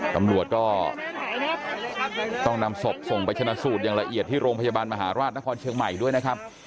ตำรวจก็ต้องนำศพส่งไปชนะสูตรอย่างละเอียดที่โรงพยาบาลมหาราชนครเชียงใหม่ด้วยนะครับ